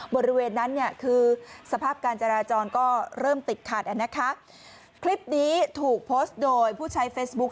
บริเวณนั้นเนี่ยคือสภาพการจราจรก็เริ่มติดขัดอ่ะนะคะคลิปนี้ถูกโพสต์โดยผู้ใช้เฟซบุ๊ค